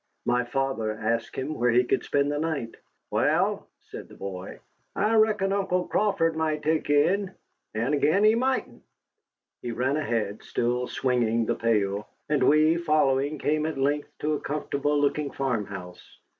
My father asked him where he could spend the night. "Wal," said the boy, "I reckon Uncle Crawford might take you in. And again he mightn't." He ran ahead, still swinging the pail. And we, following, came at length to a comfortable looking farmhouse.